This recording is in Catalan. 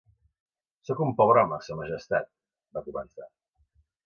"Soc un pobre home, sa Majestat", va començar.